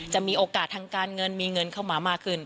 จะมีโอกาสทางการเงินมีเงินเข้ามามากขึ้น